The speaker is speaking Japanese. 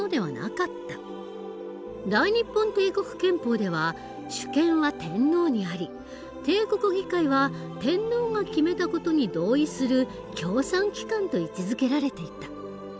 大日本帝国憲法では主権は天皇にあり帝国議会は天皇が決めた事に同意する協賛機関と位置づけられていた。